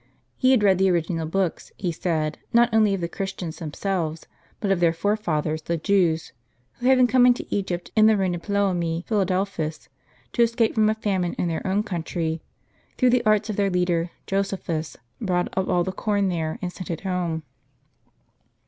He had read the original books, he said, not only of the Christians themselves, but of their forefathers, the Jews; who, having come into Egypt in the reign of Ptolemy Philadelphus, to escape from a famine in their own country, through the arts of their leader, Josephus, bought up all the corn there, and sent it home.